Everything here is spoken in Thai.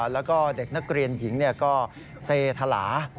แล้วก็เด็กนักเรียนหญิงก็เซธลา